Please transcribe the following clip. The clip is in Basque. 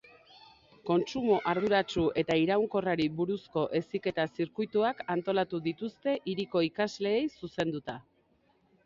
Kontsumo arduratsu eta iraunkorrari buruzko heziketa zirkuituak antolatu dituzte hiriko ikasleei zuzenduta.